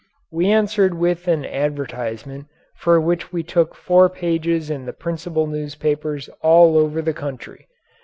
We answered with an advertisement for which we took four pages in the principal newspapers all over the country.